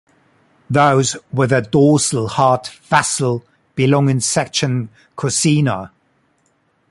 Those with a dorsal heart vessel belong in section Cossina.